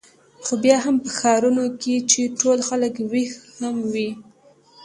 خو بیا هم په ښارونو کې چې ټول خلک وېښ هم وي.